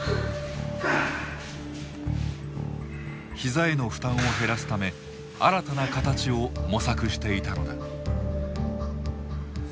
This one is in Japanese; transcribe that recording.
膝への負担を減らすため新たな形を模索していたのだ。